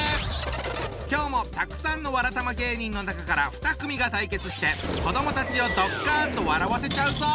今日もたくさんのわらたま芸人の中から２組が対決して子どもたちをドッカンと笑わせちゃうぞ！